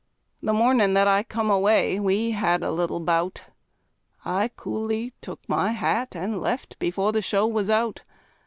The mornin' that I come away, we had a little bout; I coolly took my hat and left, before the show was out.